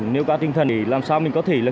nêu ca tinh thần để làm sao mình có thể